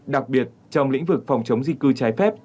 đặc biệt trong lĩnh vực phòng chống di cư trái phép